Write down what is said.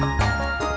liat dong liat